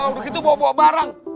udah gitu bawa bawa barang